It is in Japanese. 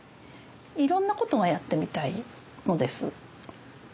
いろんなことがやってみたいのです。